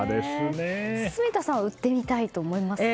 住田さんは売ってみたいと思いますか？